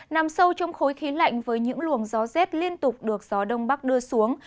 nằm sâu trong khối khí lạnh với những luồng gió rét liên tục được gió đông bắc đưa xuống